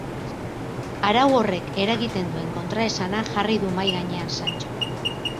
Arau horrek eragiten duen kontraesana jarri du mahai gainean Santxok.